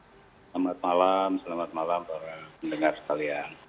selamat malam selamat malam para pendengar sekalian